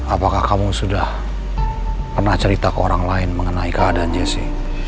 apakah kamu sudah pernah cerita ke orang lain mengenai keadaan jese